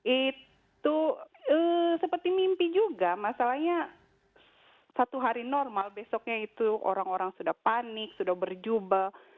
itu seperti mimpi juga masalahnya satu hari normal besoknya itu orang orang sudah panik sudah berjubel